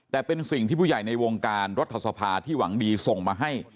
แต่เป็นสิ่งที่ผู้ใหญ่ในวงการรัฐสภาที่หวังดีส่งมาให้